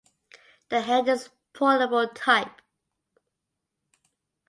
The head is portable type.